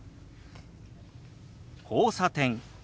「交差点」。